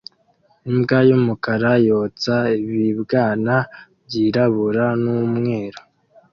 Imbwa y'umukara yonsa ibibwana byirabura n'umweru